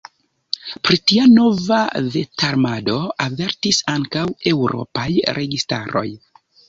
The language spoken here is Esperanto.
Pri tia nova vetarmado avertis ankaŭ eŭropaj registaroj.